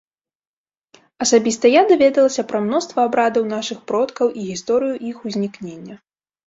Асабіста я даведалася пра мноства абрадаў нашых продкаў і гісторыю іх узнікнення.